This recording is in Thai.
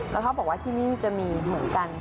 แล้วเขาบอกว่าที่นี่จะมีเหมือนกัน